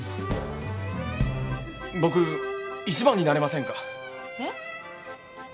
僕一番になれませんか？